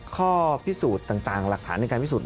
ข้อพิสูจน์ต่างหลักฐานในการพิสูจน